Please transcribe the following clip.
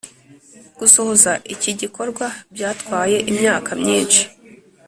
] gusohoza iki gikorwa byatwaye imyaka myinshi.